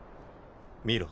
見ろ。